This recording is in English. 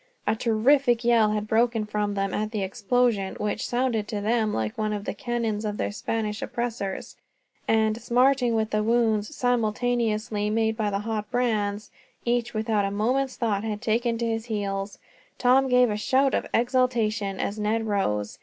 A terrific yell had broken from them at the explosion, which sounded to them like one of the cannons of their Spanish oppressors; and, smarting with the wounds simultaneously made by the hot brands, each, without a moment's thought, had taken to his heels. Tom gave a shout of exultation, as Ned rose.